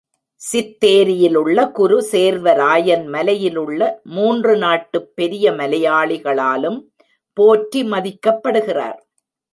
சித்தேரியிலுள்ள குரு சேர்வராயன் மலையிலுள்ள மூன்று நாட்டுப் பெரிய மலையாளிகளாலும் போற்றி மதிக்கப்படுகிறார்.